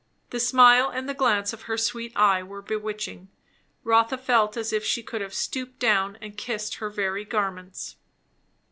The smile and the glance of her sweet eye were bewitching. Rotha felt as if she could have stooped down and kissed her very garments.